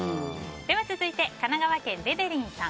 続いて、神奈川県の方。